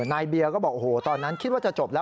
นายเบียร์ก็บอกโอ้โหตอนนั้นคิดว่าจะจบแล้ว